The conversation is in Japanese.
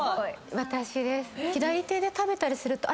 私です。